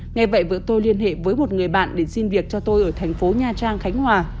nghe vậy vợ tôi liên hệ với một người bạn để xin việc cho tôi ở thành phố nha trang khánh hòa